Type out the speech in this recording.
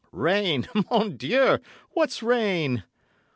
Rain, Mon Dieu! What's rain!